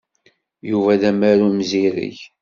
Yuba d amaru imzireg.